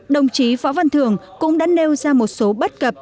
đồng chí võ văn thường cũng đã nêu ra một số bất cập